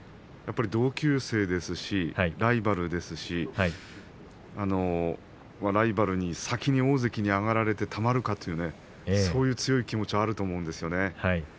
同級生ですしライバルですしライバルに先に大関に上がられてたまるか、というそういう強い気持ちがあると思うんですよね。